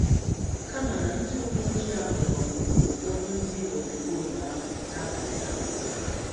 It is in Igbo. kama na ndị uweojii ahụ gbàgbùrù ụfọdụ ndị omekoome ahụ n'abalị ahụ